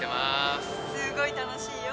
すごい楽しいよ。